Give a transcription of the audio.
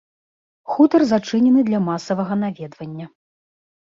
Хутар зачынены для масавага наведвання.